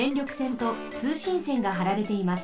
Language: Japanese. んとつうしんせんがはられています。